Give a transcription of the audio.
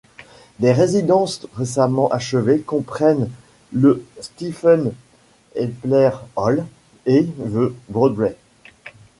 Des résidences récemment achevées comprennent le Stephen Epler Hall et The Broadway.